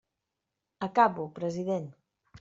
Acabo, president.